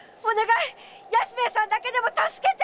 安兵衛さんだけでも助けて！